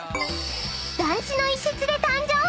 ［団地の一室で誕生］